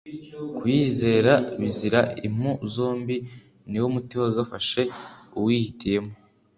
kuyizera bizira impu-zombi niwo muti wagafashe uwihitiyemo